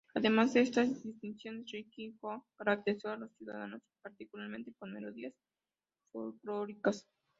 Además de estas distinciones, Rimski-Kórsakov caracterizó a los ciudadanos particularmente con melodías folclóricas.